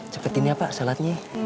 cepetin ya pak shalatnya